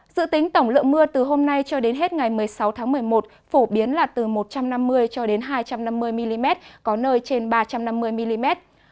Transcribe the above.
dự tính tổng lượng mưa từ hôm nay cho đến hết ngày một mươi sáu tháng một mươi một phổ biến là từ một trăm năm mươi cho đến hai trăm năm mươi mm có nơi trên ba trăm năm mươi mm